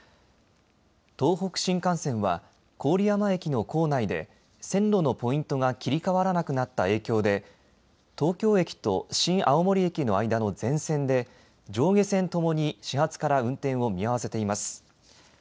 東北新幹線は郡山駅の構内で線路のポイントが切り替わらなくなった影響で東京駅と新青森駅の間の全線で上下線ともに始発から運転を見合わせています。